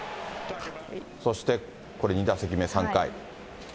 そしてこれ、２打席目、３回。